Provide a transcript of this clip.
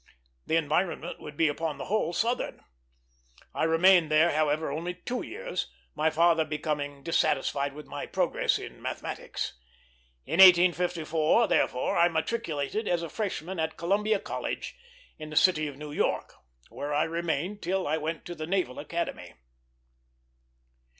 The environment would be upon the whole Southern. I remained there, however, only two years, my father becoming dissatisfied with my progress in mathematics. In 1854, therefore, I matriculated as a freshman at Columbia College in the city of New York, where I remained till I went to the Naval Academy.